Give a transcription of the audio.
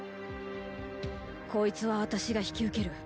こいつは私が引き受ける。